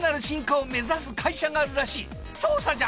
調査じゃ！